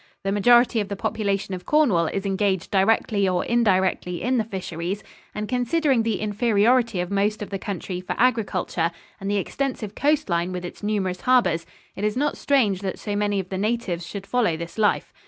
The majority of the population of Cornwall is engaged directly or indirectly in the fisheries, and considering the inferiority of most of the country for agriculture and the extensive coast line with its numerous harbors, it is not strange that so many of the natives should follow this life.